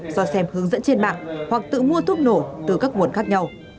do xem hướng dẫn trên mạng hoặc tự mua thuốc nổ từ các nguồn khác nhau